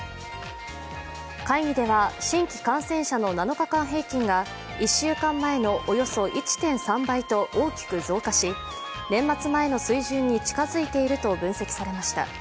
会議では新規感染者の７日間平均が１週間前のおよそ１．３倍と大きく増加し年末前の水準に近づいていると分析されました。